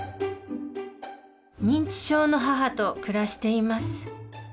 認知症の母と暮らしています。